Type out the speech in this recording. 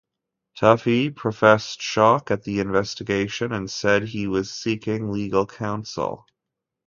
Tuffey professed shock at the investigation and said he was seeking legal counsel.